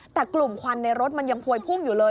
แต่กลุ่มควันในรถมันยังพวยพุ่งอยู่เลย